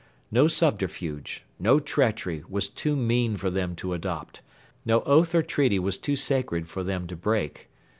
No subterfuge, no treachery, was too mean for them to adopt: no oath or treaty was too sacred for them to break.